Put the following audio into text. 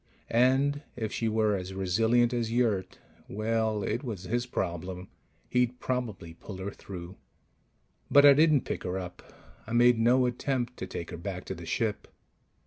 And if she were as resilient as Yurt ... well, it was his problem. He'd probably pull her through. But I didn't pick her up. I made no attempt to take her back to the ship.